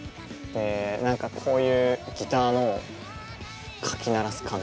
何かこういうギターのかき鳴らす感じとか。